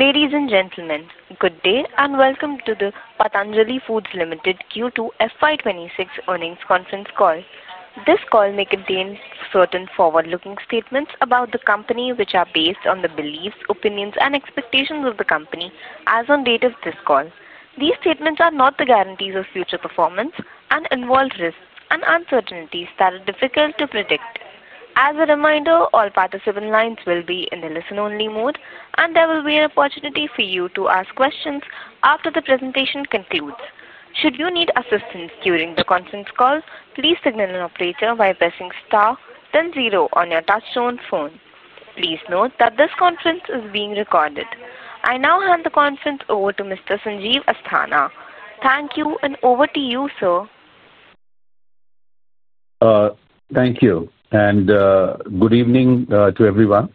Ladies and gentlemen, good day and welcome to the Patanjali Foods Limited Q2 FY26 earnings conference call. This call may contain certain forward-looking statements about the company, which are based on the beliefs, opinions, and expectations of the company as of the date of this call. These statements are not the guarantees of future performance and involve risks and uncertainties that are difficult to predict. As a reminder, all participant lines will be in a listen-only mode, and there will be an opportunity for you to ask questions after the presentation concludes. Should you need assistance during the conference call, please signal an operator by pressing star then zero on your touch-tone phone. Please note that this conference is being recorded. I now hand the conference over to Mr. Sanjeev Asthana. Thank you, and over to you, sir. Thank you, and good evening to everyone.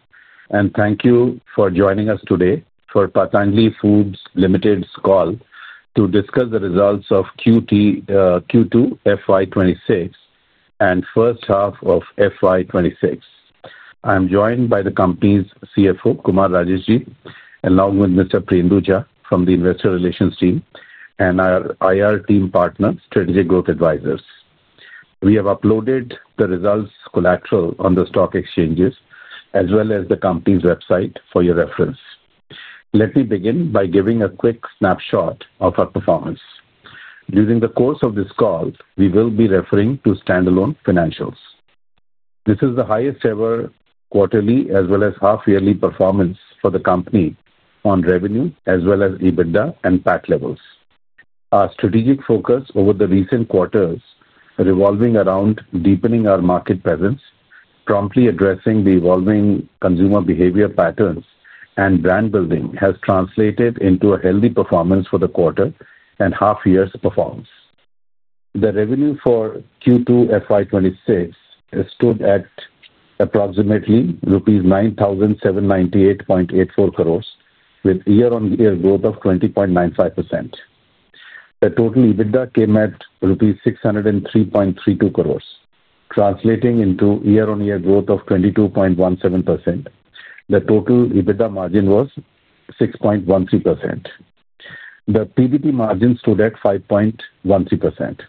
Thank you for joining us today for Patanjali Foods Limited's call to discuss the results of Q2 FY26 and the first half of FY26. I am joined by the company's CFO, Kumar Rajesh, along with Mr. Priyendu Jha from the investor relations team and our IR team partner, Strategic Growth Advisors. We have uploaded the results collateral on the stock exchanges as well as the company's website for your reference. Let me begin by giving a quick snapshot of our performance. During the course of this call, we will be referring to standalone financials. This is the highest-ever quarterly as well as half-yearly performance for the company on revenue as well as EBITDA and PAT levels. Our strategic focus over the recent quarters revolving around deepening our market presence, promptly addressing the evolving consumer behavior patterns, and brand building has translated into a healthy performance for the quarter and half-year performance. The revenue for Q2 FY26 stood at approximately rupees 9,798.84 crore, with year-on-year growth of 20.95%. The total EBITDA came at rupees 603.32 crore, translating into year-on-year growth of 22.17%. The total EBITDA margin was 6.13%. The PBT margin stood at 5.13%.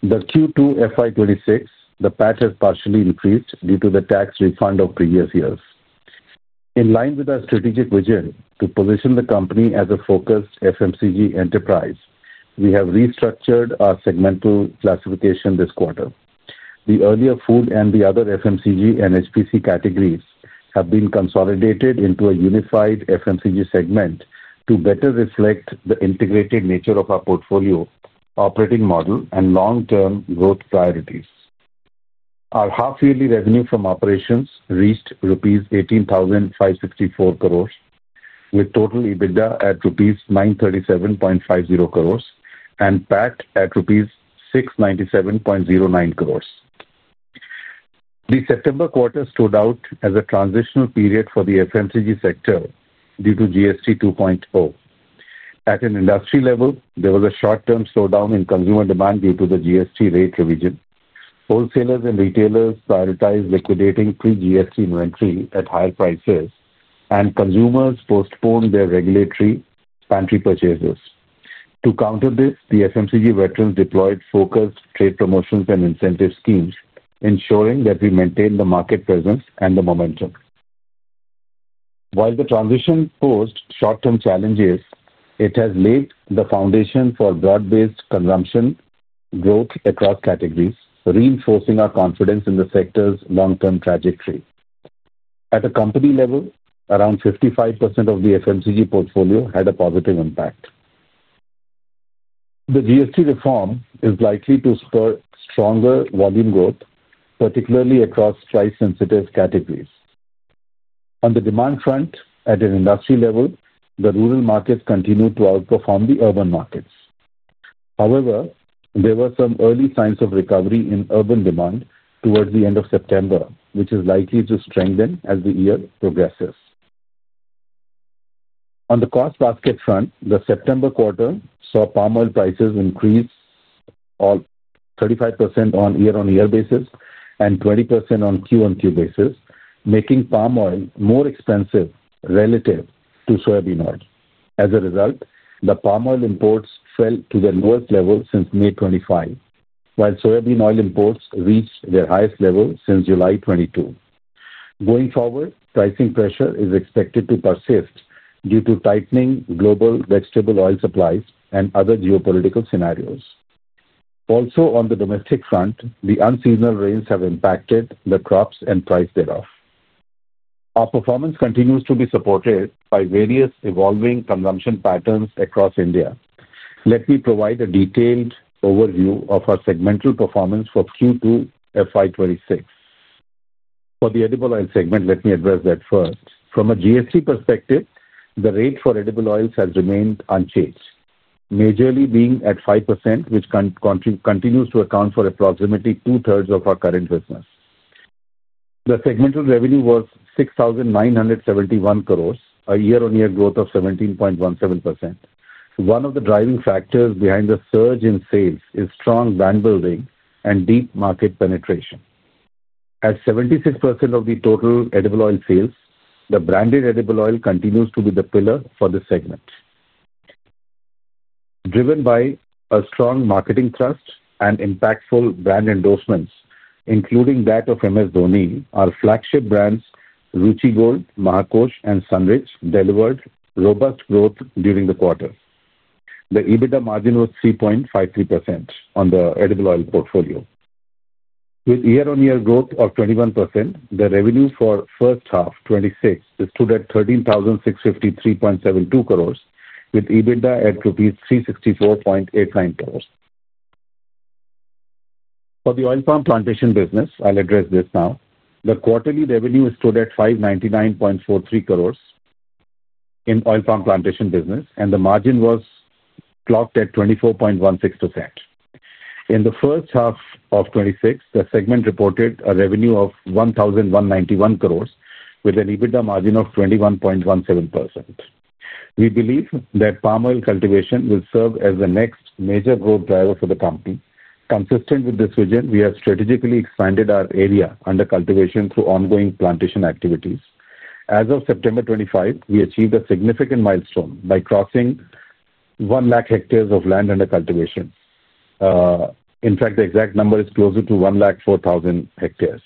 In Q2 FY26, the PAT has partially increased due to the tax refund of previous years. In line with our strategic vision to position the company as a focused FMCG enterprise, we have restructured our segmental classification this quarter. The earlier food and the other FMCG and HPC categories have been consolidated into a unified FMCG segment to better reflect the integrated nature of our portfolio, operating model, and long-term growth priorities. Our half-yearly revenue from operations reached rupees 18,564 crore, with total EBITDA at rupees 937.50 crore and PAT at rupees 697.09 crore. The September quarter stood out as a transitional period for the FMCG sector due to GST 2.0. At an industry level, there was a short-term slowdown in consumer demand due to the GST rate revision. Wholesalers and retailers prioritized liquidating pre-GST inventory at higher prices, and consumers postponed their regulatory pantry purchases. To counter this, the FMCG veterans deployed focused trade promotions and incentive schemes, ensuring that we maintain the market presence and the momentum. While the transition posed short-term challenges, it has laid the foundation for broad-based consumption growth across categories, reinforcing our confidence in the sector's long-term trajectory. At a company level, around 55% of the FMCG portfolio had a positive impact. The GST 2.0 reform is likely to spur stronger volume growth, particularly across price-sensitive categories. On the demand front, at an industry level, the rural markets continue to outperform the urban markets. However, there were some early signs of recovery in urban demand towards the end of September, which is likely to strengthen as the year progresses. On the cost basket front, the September quarter saw palm oil prices increase. All 35% on year-on-year basis and 20% on Q-on-Q basis, making palm oil more expensive relative to soybean oil. As a result, the palm oil imports fell to their lowest level since May 2025, while soybean oil imports reached their highest level since July 2022. Going forward, pricing pressure is expected to persist due to tightening global vegetable oil supplies and other geopolitical scenarios. Also, on the domestic front, the unseasonal rains have impacted the crops and price thereof. Our performance continues to be supported by various evolving consumption patterns across India. Let me provide a detailed overview of our segmental performance for Q2 FY2026. For the edible oil segment, let me address that first. From a GST perspective, the rate for edible oils has remained unchanged, majorly being at 5%, which continues to account for approximately two-thirds of our current business. The segmental revenue was 6,971 crore, a year-on-year growth of 17.17%. One of the driving factors behind the surge in sales is strong brand building and deep market penetration. At 76% of the total edible oil sales, the branded edible oil continues to be the pillar for the segment. Driven by a strong marketing thrust and impactful brand endorsements, including that of MS Dhoni, our flagship brands Ruchi Gold, Mahakosh, and Sunrich delivered robust growth during the quarter. The EBITDA margin was 3.53% on the edible oil portfolio. With year-on-year growth of 21%, the revenue for first half 2026 stood at 13,653.72 crore, with EBITDA at rupees 364.89 crore. For the oil palm plantation business, I'll address this now. The quarterly revenue stood at 599.43 crore. In oil palm plantation business, and the margin was clocked at 24.16%. In the first half of 2026, the segment reported a revenue of 1,191 crores, with an EBITDA margin of 21.17%. We believe that palm oil cultivation will serve as the next major growth driver for the company. Consistent with this vision, we have strategically expanded our area under cultivation through ongoing plantation activities. As of September 2025, we achieved a significant milestone by crossing 1,000,000 hectares of land under cultivation. In fact, the exact number is closer to 1,040,000 hectares.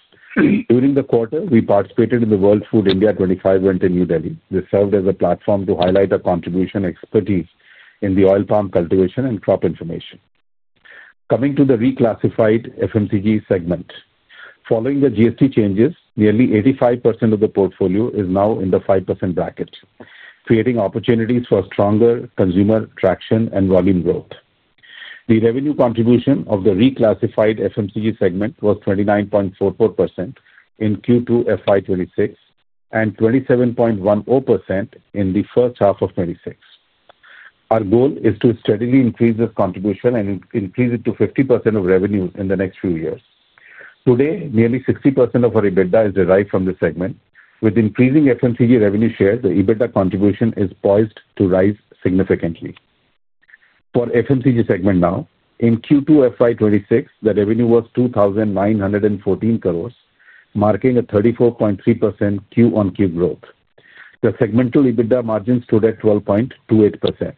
During the quarter, we participated in the World Food India 25 event in New Delhi, which served as a platform to highlight our contribution, expertise in oil palm cultivation, and crop information. Coming to the reclassified FMCG segment, following the GST changes, nearly 85% of the portfolio is now in the 5% bracket, creating opportunities for stronger consumer traction and volume growth. The revenue contribution of the reclassified FMCG segment was 29.44% in Q2 FY26 and 27.10% in the first half of 2026. Our goal is to steadily increase this contribution and increase it to 50% of revenue in the next few years. Today, nearly 60% of our EBITDA is derived from this segment. With increasing FMCG revenue share, the EBITDA contribution is poised to rise significantly. For the FMCG segment now, in Q2 FY26, the revenue was 2,914 crores, marking a 34.3% Q-on-Q growth. The segmental EBITDA margin stood at 12.28%.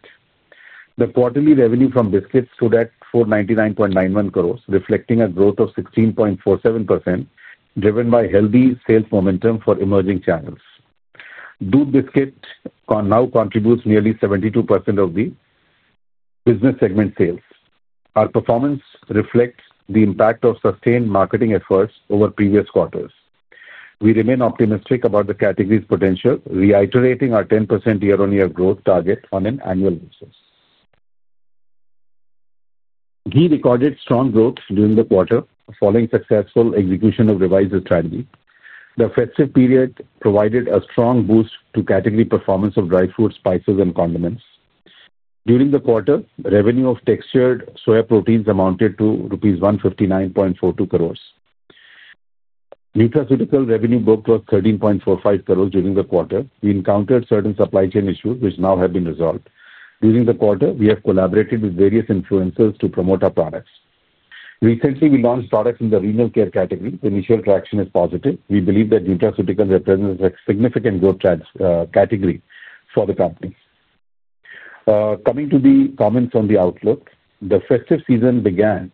The quarterly revenue from biscuits stood at 499.91 crores, reflecting a growth of 16.47%, driven by healthy sales momentum for emerging channels. Doodh biscuits now contribute nearly 72% of the business segment sales. Our performance reflects the impact of sustained marketing efforts over previous quarters. We remain optimistic about the category's potential, reiterating our 10% year-on-year growth target on an annual basis. We recorded strong growth during the quarter following successful execution of revised strategy. The festive period provided a strong boost to category performance of dry fruits, spices, and condiments. During the quarter, revenue of textured soya proteins amounted to rupees 159.42 crores. Nutraceutical revenue booked was 13.45 crores during the quarter. We encountered certain supply chain issues, which now have been resolved. During the quarter, we have collaborated with various influencers to promote our products. Recently, we launched products in the renal care category. The initial traction is positive. We believe that nutraceuticals represent a significant growth category for the company. Coming to the comments on the outlook, the festive season began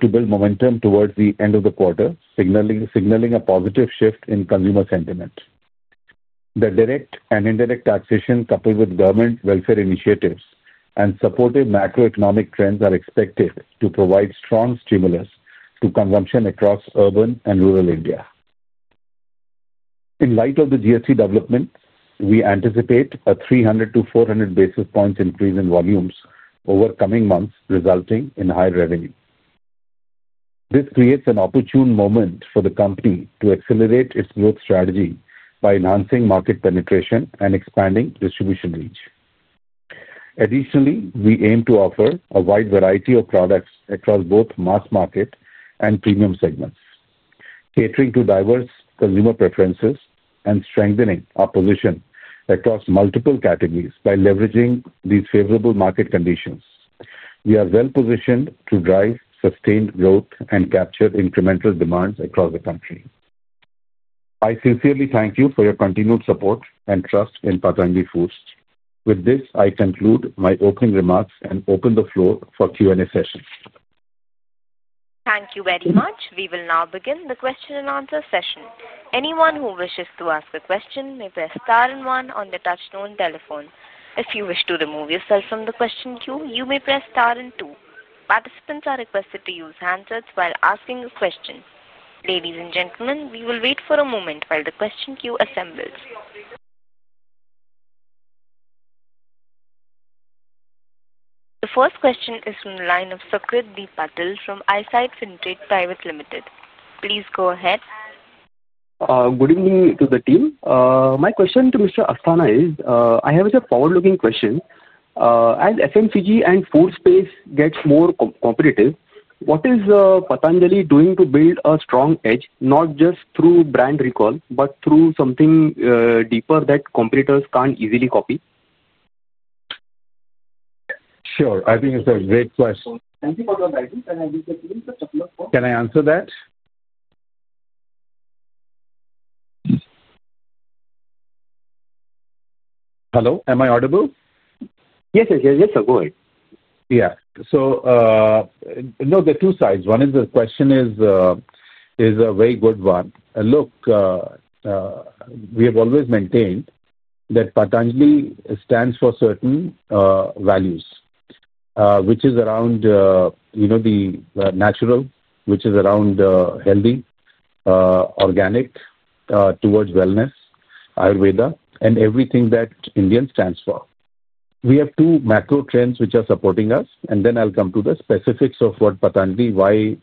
to build momentum towards the end of the quarter, signaling a positive shift in consumer sentiment. The direct and indirect taxation, coupled with government welfare initiatives and supportive macroeconomic trends, are expected to provide strong stimulus to consumption across urban and rural India. In light of the GST 2.0 development, we anticipate a 300-400 basis points increase in volumes over coming months, resulting in higher revenue. This creates an opportune moment for the company to accelerate its growth strategy by enhancing market penetration and expanding distribution reach. Additionally, we aim to offer a wide variety of products across both mass market and premium segments, catering to diverse consumer preferences and strengthening our position across multiple categories. By leveraging these favorable market conditions, we are well-positioned to drive sustained growth and capture incremental demands across the country. I sincerely thank you for your continued support and trust in Patanjali Foods. With this, I conclude my opening remarks and open the floor for Q&A session. Thank you very much. We will now begin the question and answer session. Anyone who wishes to ask a question may press star and one on the touch-tone telephone. If you wish to remove yourself from the question queue, you may press star and two. Participants are requested to use hands while asking a question. Ladies and gentlemen, we will wait for a moment while the question queue assembles. The first question is from the line of Sucrit D. Patil from Eyesight Fintrade Private Limited. Please go ahead. Good evening to the team. My question to Mr. Asthana is, I have a forward-looking question. As FMCG and food space gets more competitive, what is Pantajali doing to build a strong edge, not just through brand recall but through something deeper that competitors can't easily copy? Sure, I think it's a great question. Can I answer that? Hello, am I audible? Yes, yes. Yes, sir. Go ahead. Yeah. There are two sides. One is the question is a very good one. Look, we have always maintained that Patanjali stands for certain values, which is around the natural, which is around healthy, organic towards wellness, Ayurveda, and everything that Indian stands for. We have two macro trends which are supporting us, and then I'll come to the specifics of what Patanjali, why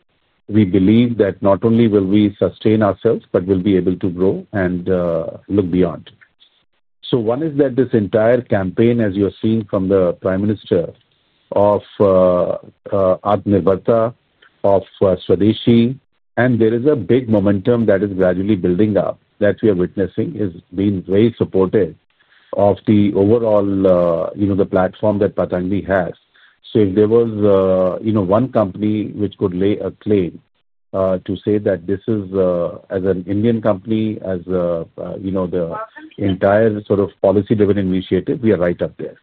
we believe that not only will we sustain ourselves but will be able to grow and look beyond. One is that this entire campaign, as you are seeing from the Prime Minister of Aadh Nirbharta, of Swadeshi, and there is a big momentum that is gradually building up that we are witnessing has been very supportive of the overall platform that Patanjali has. If there was one company which could lay a claim to say that this is as an Indian company, as the entire sort of policy-driven initiative, we are right up there.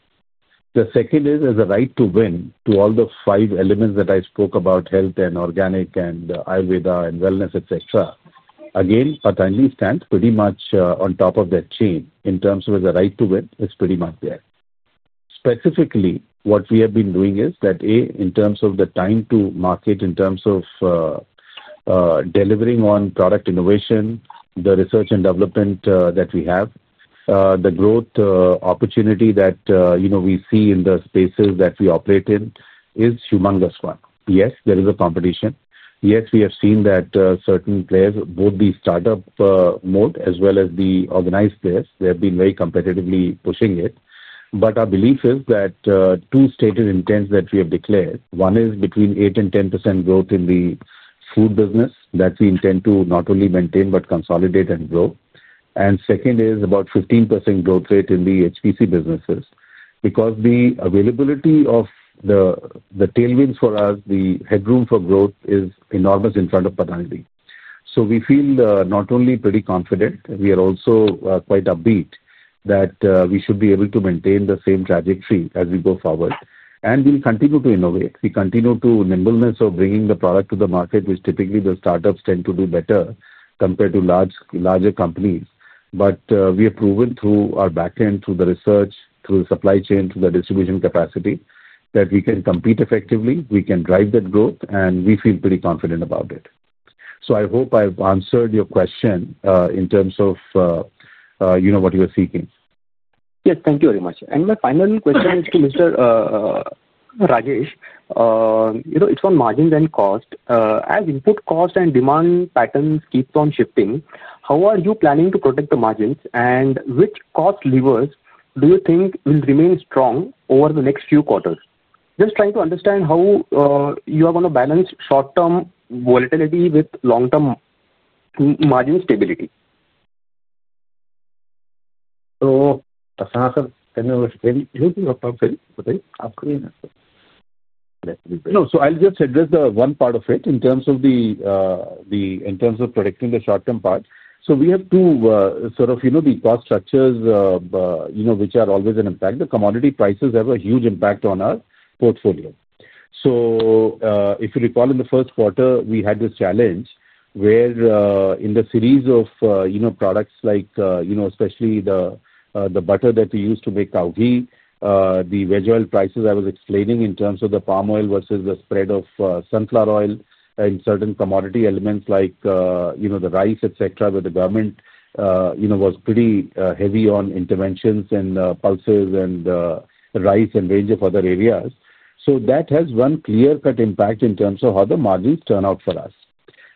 The second is as a right to win to all the five elements that I spoke about: health, and organic, and Ayurveda, and wellness, et cetera. Again, Patanjali stands pretty much on top of that chain in terms of the right to win. It's pretty much there. Specifically, what we have been doing is that, in terms of the time to market, in terms of delivering on product innovation, the research and development that we have, the growth opportunity that we see in the spaces that we operate in is humongous. Yes, there is a competition. Yes, we have seen that certain players, both the startup mode as well as the organized players, they have been very competitively pushing it. Our belief is that two stated intents that we have declared. One is between 8% and 10% growth in the food business that we intend to not only maintain but consolidate and grow. Second is about 15% growth rate in the HPC businesses. The availability of the tailwinds for us, the headroom for growth is enormous in front of Patanjali. We feel not only pretty confident, we are also quite upbeat that we should be able to maintain the same trajectory as we go forward. We will continue to innovate. We continue to nimbleness of bringing the product to the market, which typically the startups tend to do better compared to larger companies. We have proven through our backend, through the research, through the supply chain, through the distribution capacity that we can compete effectively, we can drive that growth, and we feel pretty confident about it. I hope I've answered your question in terms of what you are seeking. Yes, thank you very much. My final question is to Mr. Rajesh. It's on margins and cost. As input cost and demand patterns keep on shifting, how are you planning to protect the margins? Which cost levers do you think will remain strong over the next few quarters? Just trying to understand how you are going to balance short-term volatility with long-term margin stability. So. I'll just address the one part of it in terms of protecting the short-term part. We have two sort of cost structures, which are always an impact. The commodity prices have a huge impact on our portfolio. If you recall, in the first quarter, we had this challenge where in the series of products, like especially the butter that we use to make cow ghee, the veg oil prices I was explaining in terms of the palm oil versus the spread of sunflower oil and certain commodity elements like the rice, et cetera, where the government was pretty heavy on interventions in pulses and rice and a range of other areas. That has one clear-cut impact in terms of how the margins turn out for us.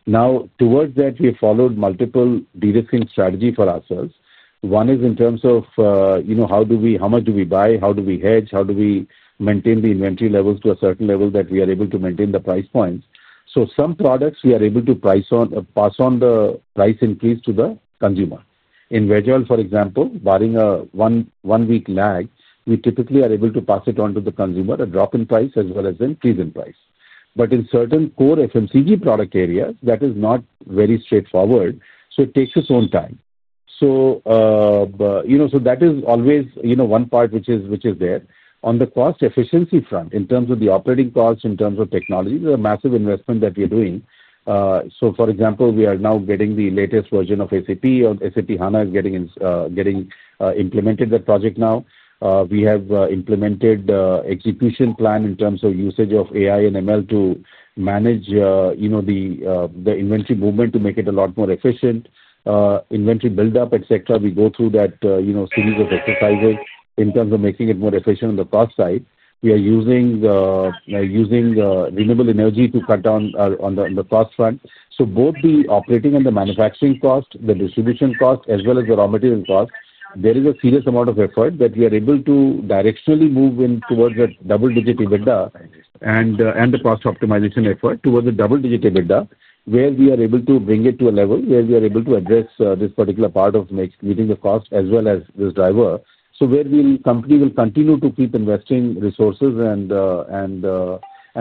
Now, towards that, we have followed multiple de-risking strategies for ourselves. One is in terms of how much do we buy, how do we hedge, how do we maintain the inventory levels to a certain level that we are able to maintain the price points. Some products we are able to pass on the price increase to the consumer. In veg oil, for example, barring a one-week lag, we typically are able to pass it on to the consumer, a drop in price as well as an increase in price. In certain core FMCG product areas, that is not very straightforward. It takes its own time. That is always one part which is there. On the cost efficiency front, in terms of the operating costs, in terms of technology, there are massive investments that we are doing. For example, we are now getting the latest version of SAP. SAP HANA is getting implemented, that project now. We have implemented an execution plan in terms of usage of AI/ML to manage the inventory movement to make it a lot more efficient. Inventory buildup, et cetera. We go through that series of exercises in terms of making it more efficient on the cost side. We are using renewable energy to cut down on the cost front. Both the operating and the manufacturing cost, the distribution cost, as well as the raw material cost, there is a serious amount of effort that we are able to directionally move towards a double-digit EBITDA and the cost optimization effort towards a double-digit EBITDA where we are able to bring it to a level where we are able to address this particular part of meeting the cost as well as this driver. The company will continue to keep investing resources and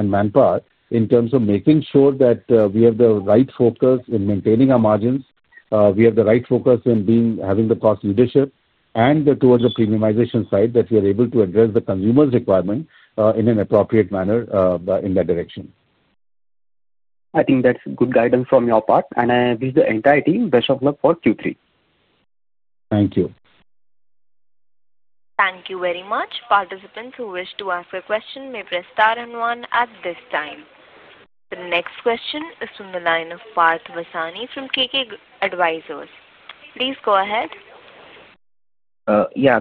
manpower in terms of making sure that we have the right focus in maintaining our margins. We have the right focus in having the cost leadership and towards the premiumization side that we are able to address the consumer's requirement in an appropriate manner in that direction. I think that's good guidance from your part. I wish the entire team best of luck for Q3. Thank you. Thank you very much. Participants who wish to ask a question may press star and one at this time. The next question is from the line of Parth Vasani from KK Advisors. Please go ahead.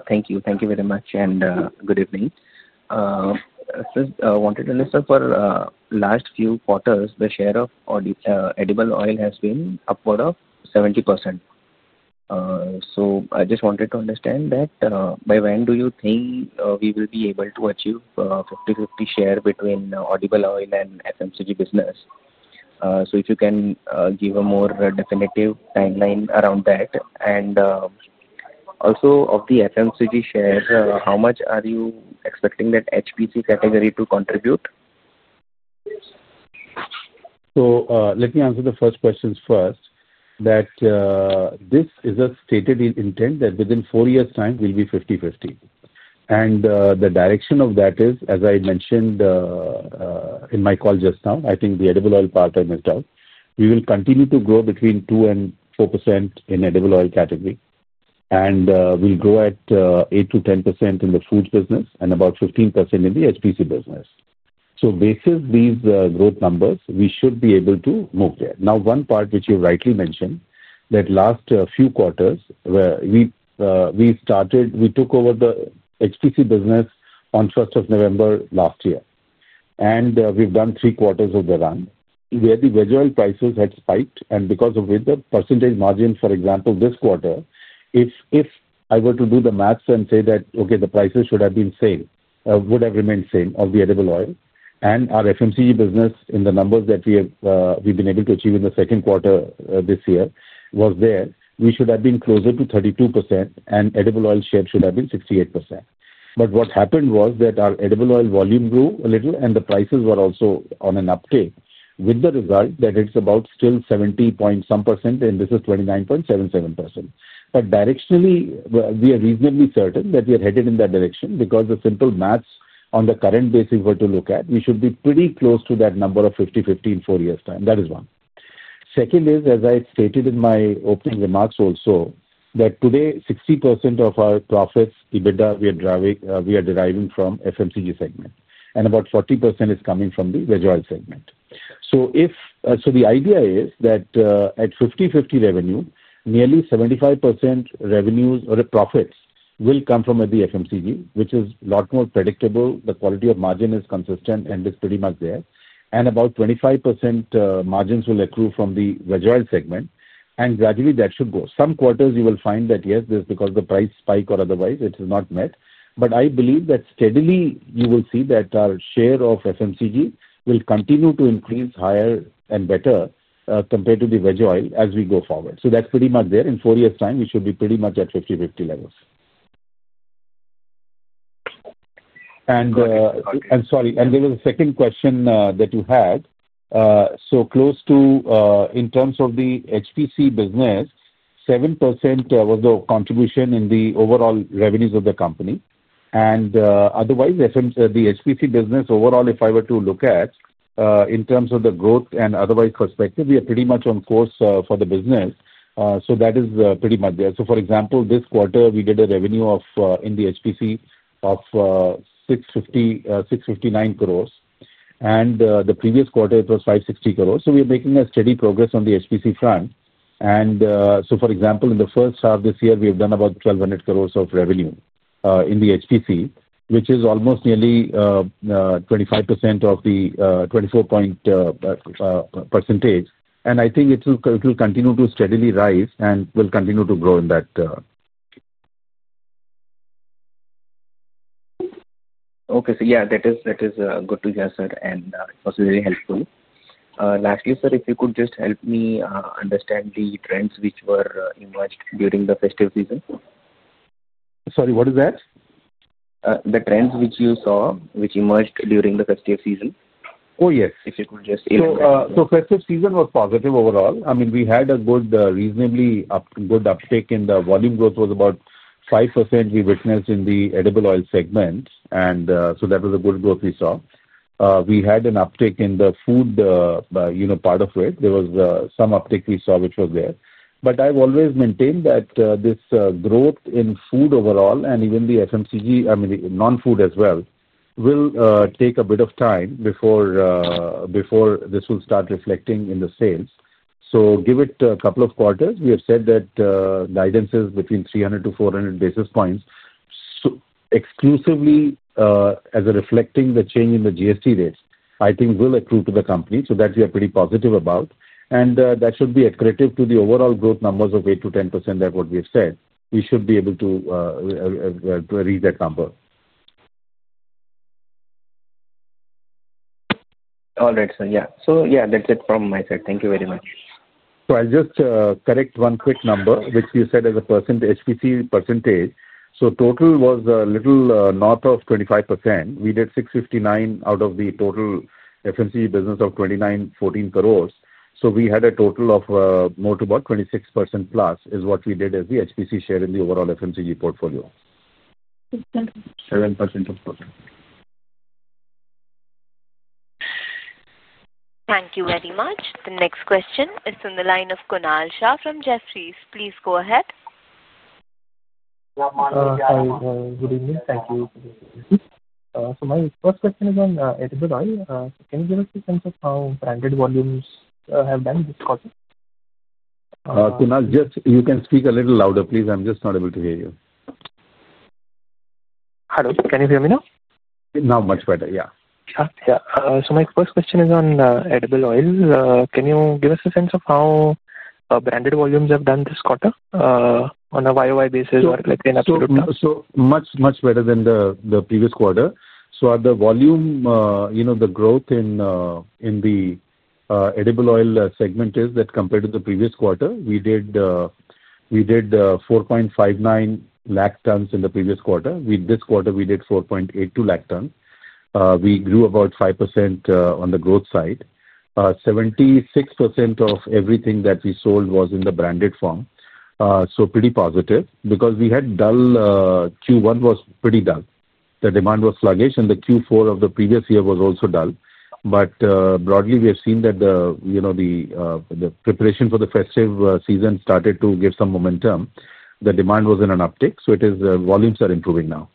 Thank you. Thank you very much and good evening. I wanted to understand for the last few quarters, the share of edible oil has been upward of 70%. I just wanted to understand that by when do you think we will be able to achieve a 50/50 share between edible oil and FMCG business? If you can give a more definitive timeline around that. Also, of the FMCG shares, how much are you expecting that HPC category to contribute? Let me answer the first question first. This is a stated intent that within four years' time, we'll be 50/50. The direction of that is, as I mentioned in my call just now, I think the edible oil part I missed out. We will continue to grow between 2% and 4% in the edible oil category. We'll grow at 8%-10% in the food business and about 15% in the HPC business. Based on these growth numbers, we should be able to move there. One part which you rightly mentioned, that last few quarters, we took over the HPC business on 1st of November last year. We've done three quarters of the run where the veg oil prices had spiked. Because of the percentage margin, for example, this quarter, if I were to do the maths and say that, okay, the prices should have been the same, would have remained the same of the edible oil, and our FMCG business, in the numbers that we've been able to achieve in the second quarter this year, was there, we should have been closer to 32%, and edible oil share should have been 68%. What happened was that our edible oil volume grew a little, and the prices were also on an uptick, with the result that it's about still 70 point some percent, and this is 29.77%. Directionally, we are reasonably certain that we are headed in that direction because the simple maths on the current basis were to look at, we should be pretty close to that number of 50/50 in four years' time. That is one. As I stated in my opening remarks also, today, 60% of our profits, EBITDA, we are deriving from the FMCG segment. About 40% is coming from the veg oil segment. The idea is that at 50/50 revenue, nearly 75% revenues or profits will come from the FMCG, which is a lot more predictable. The quality of margin is consistent and is pretty much there. About 25% margins will accrue from the veg oil segment. Gradually, that should go. Some quarters, you will find that, yes, because of the price spike or otherwise, it is not met. I believe that steadily, you will see that our share of FMCG will continue to increase higher and better compared to the veg oil as we go forward. That's pretty much there. In four years' time, we should be pretty much at 50/50 levels. Sorry. There was a second question that you had. Close to in terms of the HPC business, 7% was the contribution in the overall revenues of the company. Otherwise, the HPC business overall, if I were to look at. In terms of the growth and otherwise perspective, we are pretty much on course for the business. That is pretty much there. For example, this quarter, we did a revenue in the HPC of 659 crore. The previous quarter, it was 560 crore. We are making a steady progress on the HPC front. For example, in the first half of this year, we have done about 1,200 crore of revenue in the HPC, which is almost nearly 25% of the 24% percentage. I think it will continue to steadily rise and will continue to grow in that. Okay. That is good to hear, sir, and it was very helpful. Lastly, sir, if you could just help me understand the trends which were emerged during the festive season. Sorry, what is that? The trends which you saw, which emerged during the festive season. Oh, yes. If you could just. Festive season was positive overall. I mean, we had a good, reasonably good uptake in the volume growth was about 5% we witnessed in the edible oil segment. That was a good growth we saw. We had an uptake in the food part of it. There was some uptake we saw which was there. I've always maintained that this growth in food overall and even the FMCG, I mean, non-food as well, will take a bit of time before this will start reflecting in the sales. Give it a couple of quarters. We have said that guidance is between 300-400 basis points. Exclusively as a reflecting the change in the GST rates, I think will accrue to the company. We are pretty positive about that. That should be accredited to the overall growth numbers of 8%-10%. That's what we have said. We should be able to reach that number. All right, sir. That's it from my side. Thank you very much. I'll just correct one quick number, which you said as a HPC percentage. The total was a little north of 25%. We did 659 out of the total FMCG business of 2,914 crore. We had a total of more to about 26% plus is what we did as the HPC share in the overall FMCG portfolio. 7% of total. Thank you very much. The next question is from the line of Kunal Shah from Jefferies. Please go ahead. Good evening. Thank you. My first question is on edible oil. Can you give us a sense of how branded volumes have done this quarter? Kunal, can you speak a little louder, please? I'm just not able to hear you. Hello, can you hear me now? Now much better, yeah. Yeah. My first question is on edible oil. Can you give us a sense of how branded volumes have done this quarter on a YOI basis or in absolute terms? Much better than the previous quarter. The volume, the growth in the edible oil segment is that compared to the previous quarter, we did 4.59 lakh tons in the previous quarter. This quarter, we did 4.82 lakh tons. We grew about 5% on the growth side. 76% of everything that we sold was in the branded form. Pretty positive because we had dull Q1, was pretty dull. The demand was sluggish, and the Q4 of the previous year was also dull. Broadly, we have seen that the preparation for the festive season started to give some momentum. The demand was in an uptick. Volumes are improving now.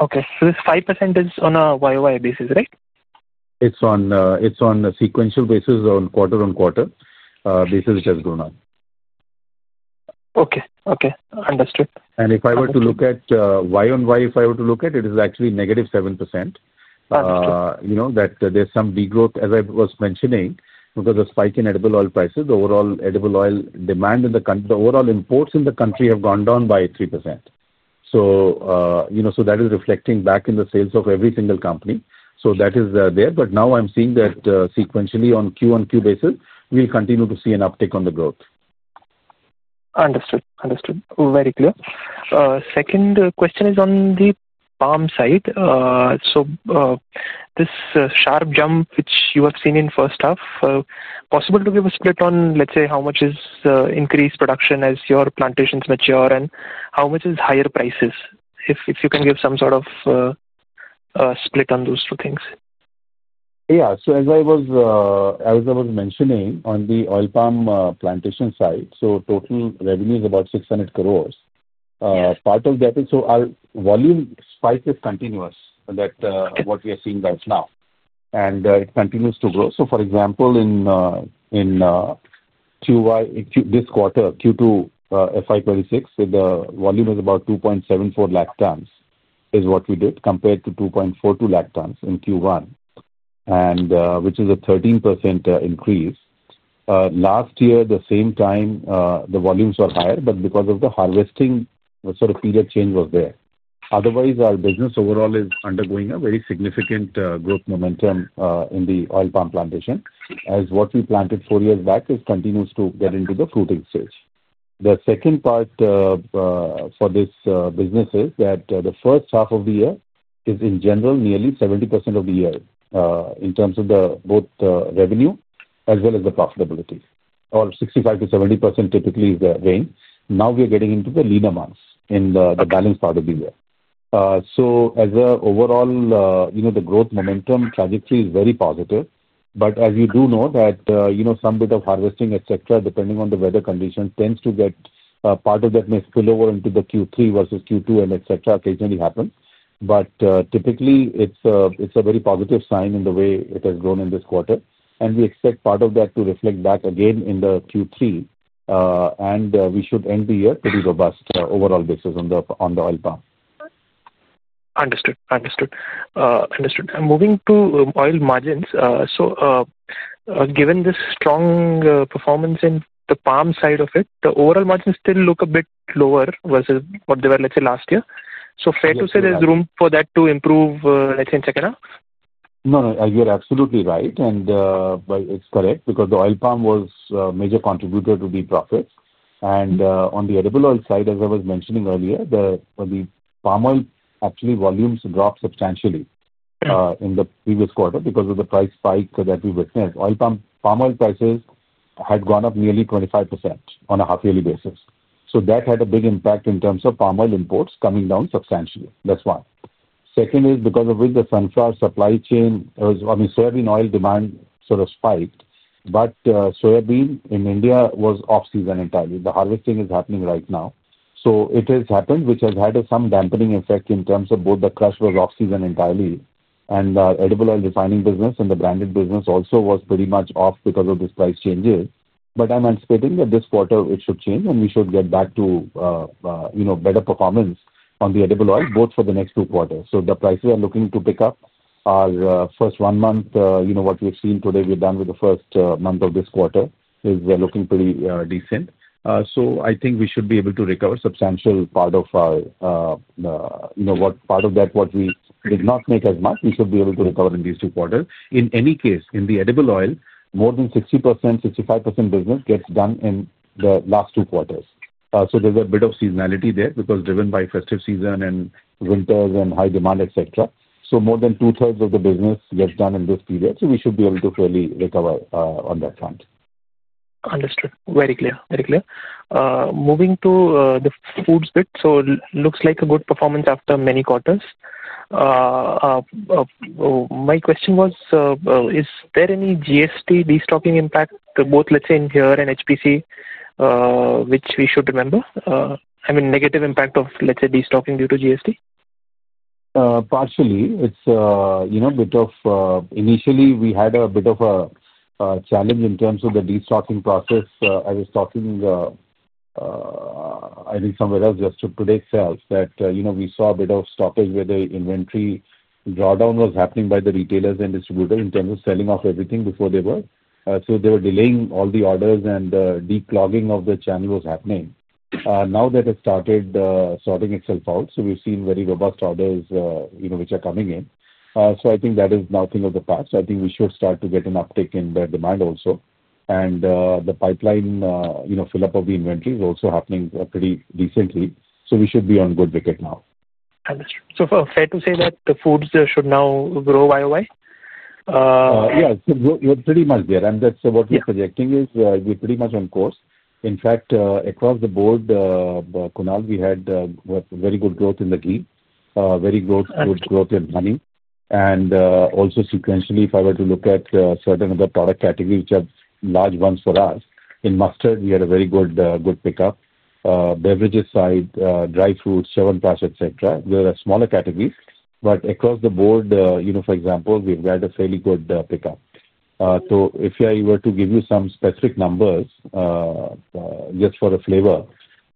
Okay. This 5% is on a YOI basis, right? It's on a sequential basis, on quarter-on-quarter basis, it has grown up. Okay. Okay. Understood. If I were to look at YOY, if I were to look at it, it is actually negative 7%. There's some degrowth, as I was mentioning, because of spike in edible oil prices. Overall edible oil demand in the country, the overall imports in the country have gone down by 3%. That is reflecting back in the sales of every single company. That is there. Now I'm seeing that sequentially on Q-on-Q basis, we'll continue to see an uptick on the growth. Understood. Very clear. Second question is on the palm side. This sharp jump which you have seen in first half, possible to give a split on, let's say, how much is increased production as your plantations mature and how much is higher prices? If you can give some sort of split on those two things. Yeah. As I was mentioning on the oil palm plantation side, total revenue is about 600 crore. Part of that is our volume spike is continuous, what we are seeing right now, and it continues to grow. For example, in this quarter, Q2 FY26, the volume is about 2.74 lakh tons, which is what we did compared to 2.42 lakh tons in Q1, which is a 13% increase. Last year, the same time, the volumes were higher, but because of the harvesting, the sort of period change was there. Otherwise, our business overall is undergoing a very significant growth momentum in the oil palm plantation, as what we planted four years back continues to get into the fruiting stage. The second part for this business is that the first half of the year is, in general, nearly 70% of the year in terms of both revenue as well as the profitability, or 65%-70% typically is the range. Now we are getting into the leaner months in the balanced part of the year. As an overall, the growth momentum trajectory is very positive. As you do know, some bit of harvesting, etc., depending on the weather conditions, tends to get part of that may spill over into Q3 versus Q2 and occasionally happens. Typically, it's a very positive sign in the way it has grown in this quarter. We expect part of that to reflect back again in Q3, and we should end the year pretty robust overall basis on the oil palm. Understood. Understood. Understood. Moving to oil margins, given this strong performance in the palm side of it, the overall margins still look a bit lower versus what they were, let's say, last year. Is it fair to say there's room for that to improve, let's say, in Patanjali Foods Limited? No, no. You're absolutely right. It's correct because the oil palm was a major contributor to the profits. On the edible oil side, as I was mentioning earlier, the palm oil volumes dropped substantially in the previous quarter because of the price spike that we witnessed. Oil palm oil prices had gone up nearly 25% on a half-yearly basis. That had a big impact in terms of palm oil imports coming down substantially. That's one. Second is because of which the sunflower supply chain, I mean, soybean oil demand sort of spiked. Soybean in India was off-season entirely. The harvesting is happening right now. It has happened, which has had some dampening effect in terms of both the crush was off-season entirely. The edible oil refining business and the branded business also was pretty much off because of these price changes. I'm anticipating that this quarter it should change, and we should get back to better performance on the edible oil, both for the next two quarters. The prices are looking to pick up. Our first one month, what we have seen today, we're done with the first month of this quarter, is we're looking pretty decent. I think we should be able to recover substantial part of our, what part of that, what we did not make as much, we should be able to recover in these two quarters. In any case, in the edible oil, more than 60%-65% business gets done in the last two quarters. There's a bit of seasonality there because driven by festive season and winters and high demand, etc. More than two-thirds of the business gets done in this period. We should be able to fairly recover on that front. Understood. Very clear. Moving to the foods bit, looks like a good performance after many quarters. My question was, is there any GST destocking impact, both, let's say, in here and HPC, which we should remember? I mean, negative impact of, let's say, destocking due to GST? Partially. Initially, we had a bit of a challenge in terms of the destocking process. I think somewhere else just to today's sales that we saw a bit of stoppage where the inventory drawdown was happening by the retailers and distributors in terms of selling off everything before they were. They were delaying all the orders and declogging of the channel was happening. Now that it started sorting itself out, we've seen very robust orders which are coming in. I think that is nothing of the past. I think we should start to get an uptake in the demand also. The pipeline fill-up of the inventory is also happening pretty decently. We should be on good wicket now. Understood. Is it fair to say that the foods should now grow YOY? Yeah. So we're pretty much there. That's what we're projecting is we're pretty much on course. In fact, across the board, Kunal, we had very good growth in the ghee, very good growth in honey. Also, sequentially, if I were to look at certain other product categories which are large ones for us, in mustard, we had a very good pickup. Beverages side, dry fruits, shaved cash, etc., there are smaller categories. Across the board, for example, we've got a fairly good pickup. If I were to give you some specific numbers, just for the flavor,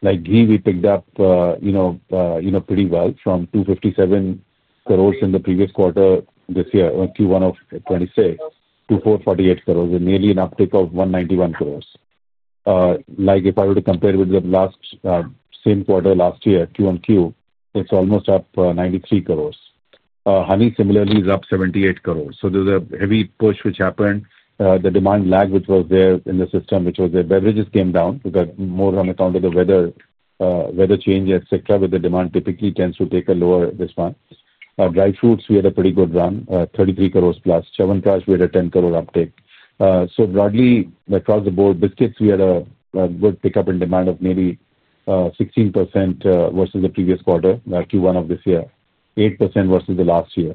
like ghee, we picked up pretty well from 257 crore in the previous quarter this year, Q1 of 2026, 2,448 crore, and nearly an uptake of 191 crore. If I were to compare with the same quarter last year, Q-on-Q, it's almost up 93 crore. Honey, similarly, is up 78 crore. There's a heavy push which happened. The demand lag which was there in the system, which was there. Beverages came down because more on account of the weather change, etc., where the demand typically tends to take a lower this month. Dry fruits, we had a pretty good run, 33 crore plus. Shaved cash, we had a 10 crore uptake. Broadly, across the board, biscuits, we had a good pickup in demand of nearly 16% versus the previous quarter, Q1 of this year, 8% versus last year.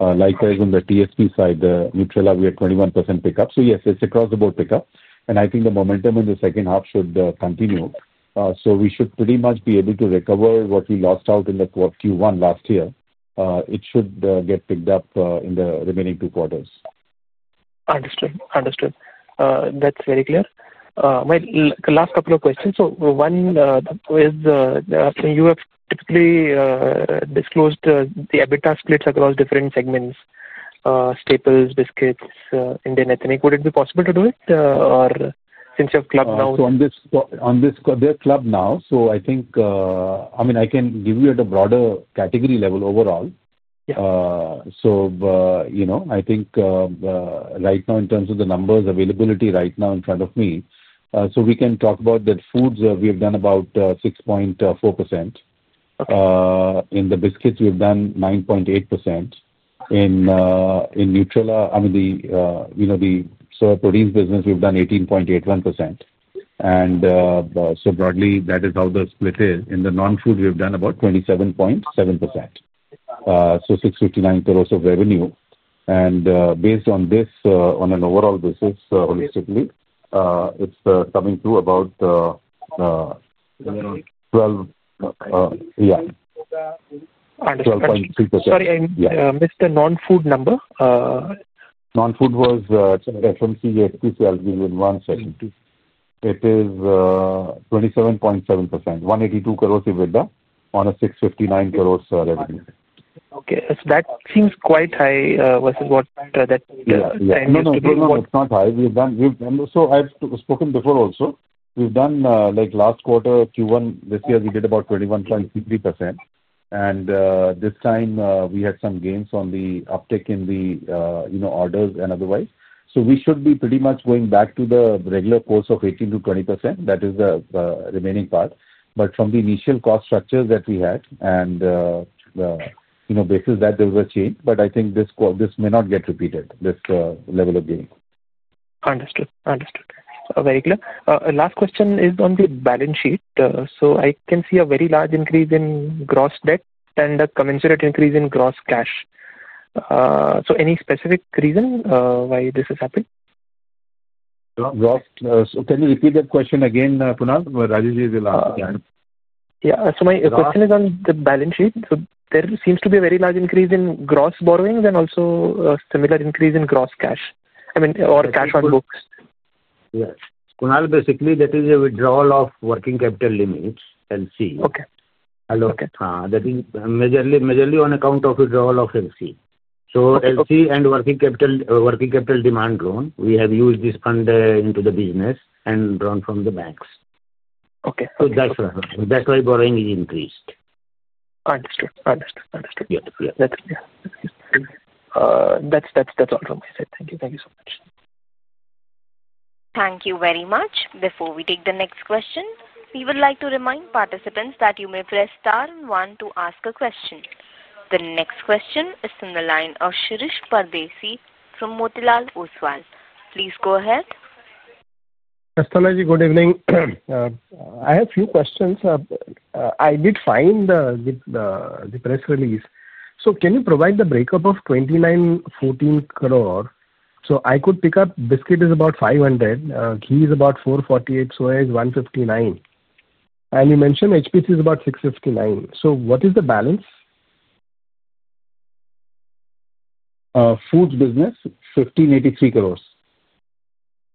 Likewise, on the TSP side, the Nutrela, we had 21% pickup. Yes, it's across the board pickup. I think the momentum in the second half should continue. We should pretty much be able to recover what we lost out in Q1 last year. It should get picked up in the remaining two quarters. Understood. That's very clear. My last couple of questions. One is, you have typically disclosed the EBITDA splits across different segments: staples, biscuits, Indian ethnic. Would it be possible to do it, or since you have club now? I think I can give you at a broader category level overall. Right now in terms of the numbers, availability right now in front of me, we can talk about that. Foods, we have done about 6.4%. In the biscuits, we've done 9.8%. In Nutrela, I mean the soy protein business, we've done 18.81%. Broadly, that is how the split is. In the non-food, we've done about 27.7%, so 659 crore of revenue. Based on this, on an overall basis, holistically, it's coming through about 12. Understood. Sorry, I missed the non-food number. Non-food was FMCG, HPC. I'll give you in one second. It is 27.7%, 182 crore EBITDA on a 659 crore revenue. Okay, that seems quite high versus what that. It's not high. I've spoken before also. We've done last quarter, Q1 this year, we did about 21.3%. This time, we had some gains on the uptake in the orders and otherwise. We should be pretty much going back to the regular course of 18%-20% for the remaining part. From the initial cost structures that we had, there was a change. I think this may not get repeated, this level of gain. Understood. Understood. Very clear. Last question is on the balance sheet. I can see a very large increase in gross debt and a commensurate increase in gross cash. Any specific reason why this has happened? Can you repeat that question again, Kunal? Rajesh is the last. Yeah, my question is on the balance sheet. There seems to be a very large increase in gross borrowings and also a similar increase in gross cash, I mean, or cash on books. Yes. Kunal, basically, that is a withdrawal of working capital limits, LC. Okay. That is majorly on account of withdrawal of LC. LC and working capital demand loan, we have used this fund into the business and drawn from the banks. Okay. That's why borrowing increased. Understood. Understood. Understood. Yes. Yes. That's all from my side. Thank you. Thank you so much. Thank you very much. Before we take the next question, we would like to remind participants that you may press star and one to ask a question. The next question is from the line of Shirish Pardesi from Motilal Oswal. Please go ahead. Hastalaji, good evening. I have a few questions. I did find the press release. Can you provide the breakup of 2,914 crore? I could pick up biscuit is about 500 crore, ghee is about 448 crore, soy is 159 crore, and you mentioned HPC is about 659 crore. What is the balance? Foods business, 1,583 crore.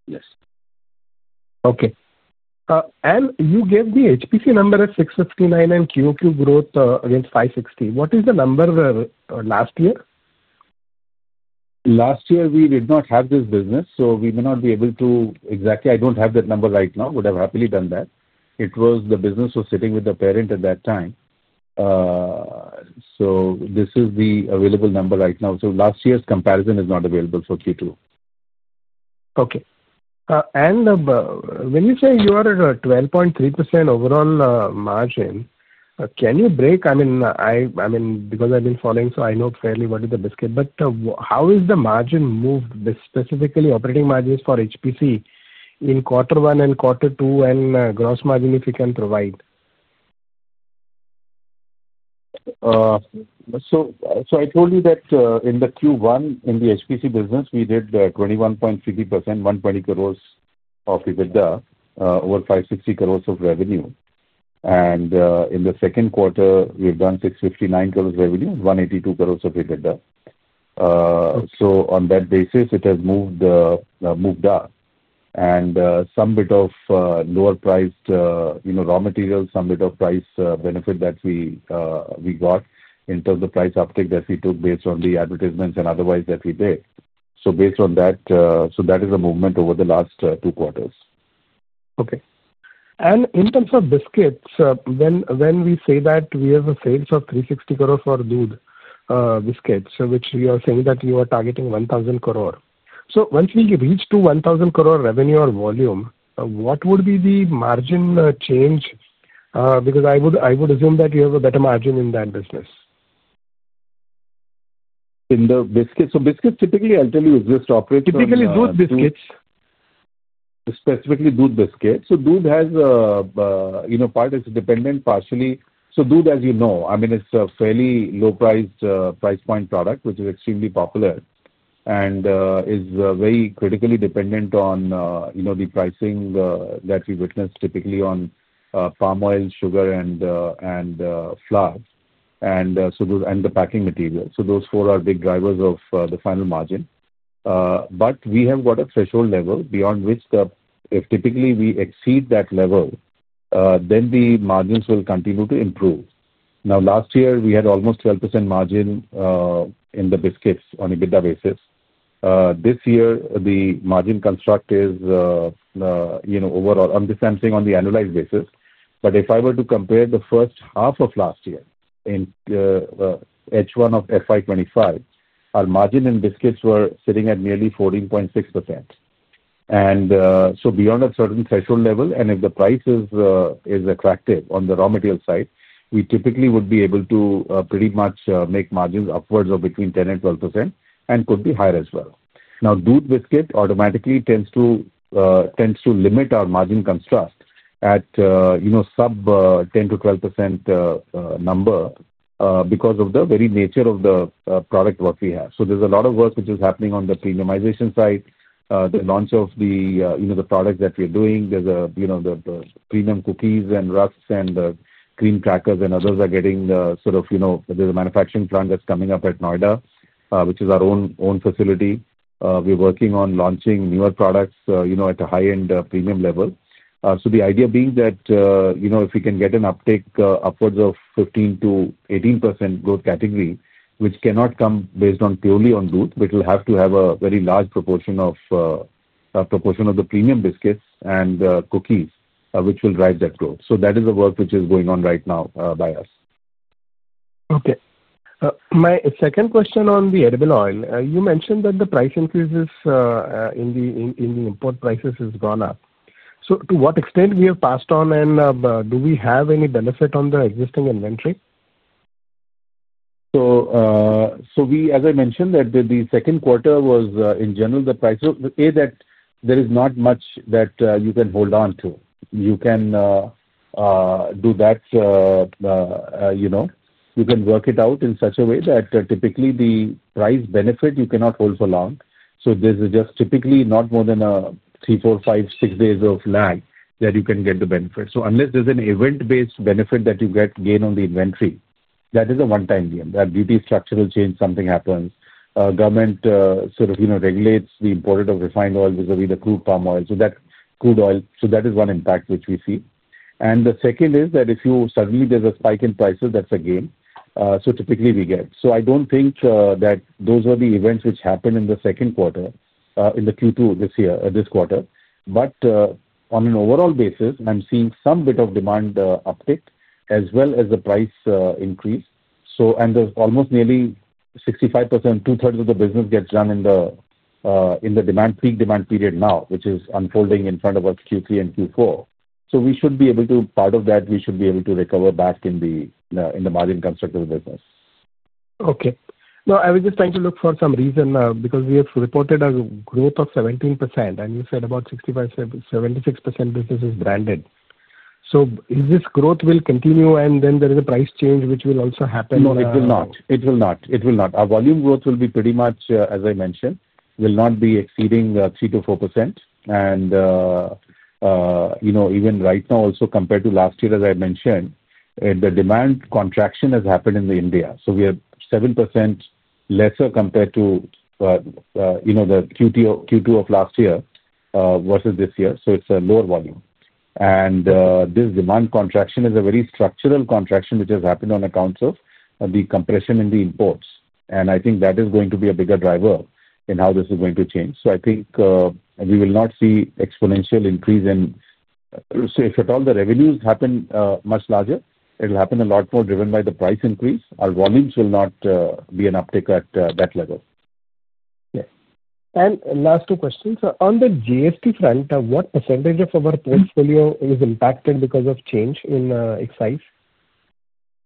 Yes. Okay. You gave the HPC number as 659 and Q-on-Q growth against 560. What is the number last year? Last year, we did not have this business, so we may not be able to exactly, I don't have that number right now, but I've happily done that. The business was sitting with the parent at that time. This is the available number right now. Last year's comparison is not available for Q2. Okay. When you say you are at a 12.3% overall margin, can you break? I mean, because I've been following, so I know fairly well the biscuit. How is the margin moved, specifically operating margins for HPC in quarter one and quarter two and gross margin, if you can provide? I told you that in Q1, in the HPC business, we did 21.3%, 120 crore of EBITDA over 560 crore of revenue. In the second quarter, we have done 659 crore revenue, 182 crore of EBITDA. On that basis, it has moved up. Some bit of lower priced raw materials, some bit of price benefit that we got in terms of price uptake that we took based on the advertisements and otherwise that we did. Based on that, that is the movement over the last two quarters. Okay. In terms of biscuits, when we say that we have a sales of 360 crore for Doodh biscuits, which you are saying that you are targeting 1,000 crore, once we reach to 1,000 crore revenue or volume, what would be the margin change? I would assume that you have a better margin in that business. In the biscuits, biscuits typically, I'll tell you, exist operationally. Typically, Doodh biscuits. Specifically, Doodh biscuits. Doodh is partially dependent. Doodh, as you know, is a fairly low-priced product, which is extremely popular and is very critically dependent on the pricing that we witness typically on palm oil, sugar, flour, and the packing material. Those four are big drivers of the final margin. We have got a threshold level beyond which, if we exceed that level, then the margins will continue to improve. Last year, we had almost 12% margin in the biscuits on an EBITDA basis. This year, the margin construct is overall, I'm just saying on the annualized basis. If I were to compare the first half of last year and H1 of FY2025, our margin in biscuits was sitting at nearly 14.6%. Beyond a certain threshold level, and if the price is attractive on the raw material side, we typically would be able to pretty much make margins upwards of between 10% and 12% and could be higher as well. Doodh biscuit automatically tends to limit our margin construct at sub 10%-12% because of the very nature of the product work we have. There's a lot of work which is happening on the premiumization side, the launch of the products that we are doing. There's the premium cookies and rucks and cream crackers and others are getting sort of, there's a manufacturing plant that's coming up at Noida, which is our own facility. We're working on launching newer products at a high-end premium level. The idea being that if we can get an uptake upwards of 15%-18% growth category, which cannot come purely on Doodh, but it will have to have a very large proportion of the premium biscuits and cookies, which will drive that growth. That is the work which is going on right now by us. Okay. My second question on the edible oil, you mentioned that the price increases in the import prices has gone up. To what extent have we passed on and do we have any benefit on the existing inventory? As I mentioned, the second quarter was, in general, the price of A, that there is not much that you can hold on to. You can do that. You can work it out in such a way that typically the price benefit, you cannot hold for long. There's just typically not more than three, four, five, six days of lag that you can get the benefit. Unless there's an event-based benefit that you get gain on the inventory, that is a one-time gain. That duty structure will change, something happens, government sort of regulates the importance of refined oil vis-à-vis the crude palm oil. That crude oil, that is one impact which we see. The second is that if suddenly there's a spike in prices, that's a gain. Typically we get. I don't think that those are the events which happened in the second quarter, in Q2 this year, this quarter. On an overall basis, I'm seeing some bit of demand uptake as well as the price increase. There's almost nearly 65%, two-thirds of the business gets done in the demand peak demand period now, which is unfolding in front of us Q3 and Q4. We should be able to, part of that, we should be able to recover back in the margin construct of the business. Okay. I was just trying to look for some reason because we have reported a growth of 17%, and you said about 65%, 76% business is branded. Is this growth will continue and then there is a price change which will also happen or not? No, it will not. It will not. It will not. Our volume growth will be pretty much, as I mentioned, will not be exceeding 3 to 4%. Even right now, also compared to last year, as I mentioned, the demand contraction has happened in India. We are 7% lesser compared to the Q2 of last year versus this year. It's a lower volume. This demand contraction is a very structural contraction which has happened on accounts of the compression in the imports. I think that is going to be a bigger driver in how this is going to change. I think we will not see exponential increase in. If at all the revenues happen much larger, it will happen a lot more driven by the price increase. Our volumes will not be an uptick at that level. Okay. Last two questions. On the GST front, what % of our portfolio is impacted because of change in its size?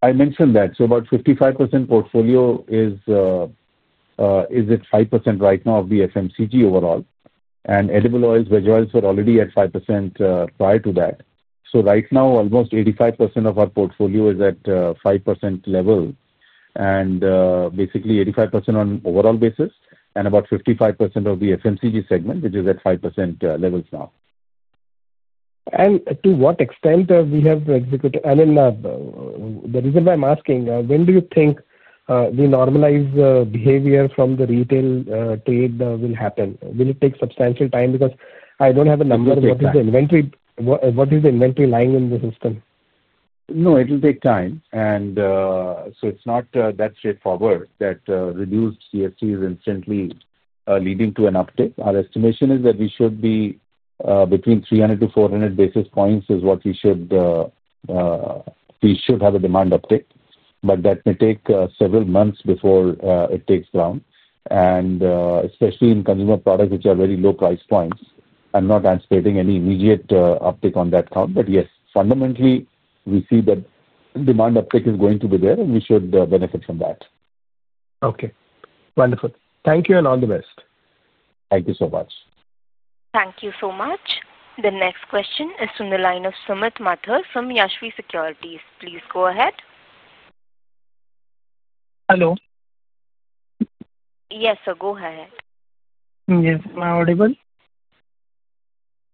I mentioned that about 55% portfolio is at 5% right now of the FMCG overall. Edible oils, veg oils were already at 5% prior to that. Right now, almost 85% of our portfolio is at 5% level. Basically, 85% on overall basis and about 55% of the FMCG segment is at 5% levels now. To what extent have we executed? The reason why I'm asking, when do you think the normalized behavior from the retail trade will happen? Will it take substantial time? I don't have a number. What is the inventory? What is the inventory lying in the system? No, it will take time. It's not that straightforward that reduced GST is instantly leading to an uptake. Our estimation is that we should be between 300-400 basis points is what we should have a demand uptake. That may take several months before it takes ground. Especially in consumer products, which are very low price points, I'm not anticipating any immediate uptake on that count. Yes, fundamentally, we see that demand uptake is going to be there, and we should benefit from that. Okay. Wonderful. Thank you, and all the best. Thank you so much. Thank you so much. The next question is from the line of Sumit Mathur from Yashwi Securities. Please go ahead. Hello. Yes, sir, go ahead. Yes, am I audible?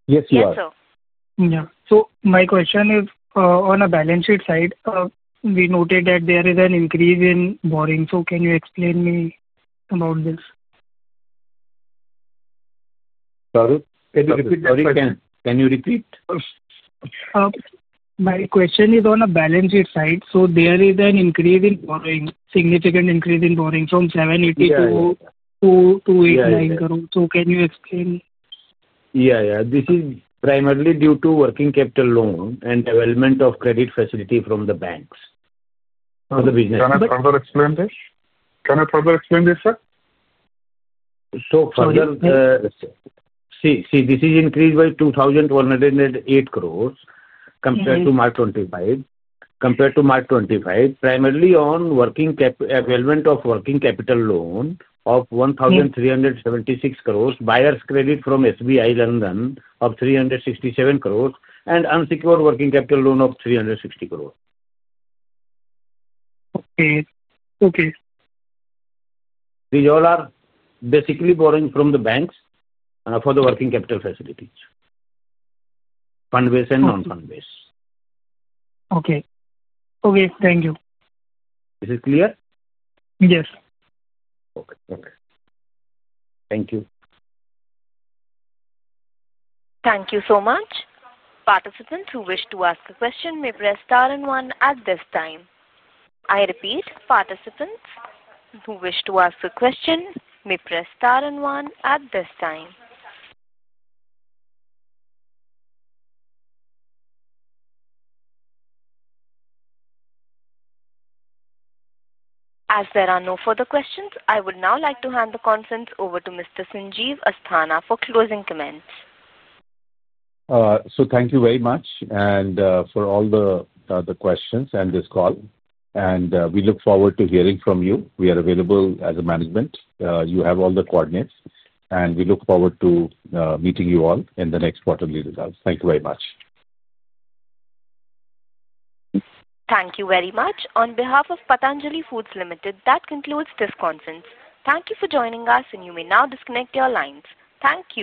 Yes, you are. Yes, sir. Yeah. My question is, on a balance sheet side, we noted that there is an increase in borrowing. Can you explain me about this? Sorry? Sorry. Can you repeat? My question is on a balance sheet side. There is an increase in borrowing, significant increase in borrowing from 780 million to. Yeah. 289 crore. Can you explain? This is primarily due to working capital loan and development of credit facility from the banks for the business. Can I further explain this, sir? So further. Yes, sir. See, this is increased by 2,108 crore compared to March 2025, primarily on development of working capital loan of 1,376 crore, buyer's credit from SBI London of 367 crore, and unsecured working capital loan of 360 crore. Okay. Okay. These all are basically borrowing from the banks for the working capital facilities, fund-based and non-fund-based. Okay. Okay. Thank you. Is it clear? Yes. Okay. Okay. Thank you. Thank you so much. Participants who wish to ask a question may press star and one at this time. I repeat, participants who wish to ask a question may press star and one at this time. As there are no further questions, I would now like to hand the conference over to Mr. Sanjeev Asthana for closing comments. Thank you very much for all the questions and this call. We look forward to hearing from you. We are available as a management. You have all the coordinates. We look forward to meeting you all in the next quarterly results. Thank you very much. Thank you very much. On behalf of Patanjali Foods Limited, that concludes this conference. Thank you for joining us, and you may now disconnect your lines. Thank you.